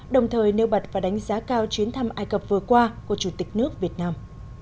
đồng thời nêu bật và đánh giá cao chuyến thăm ai cập vừa qua của chủ tịch nước việt nam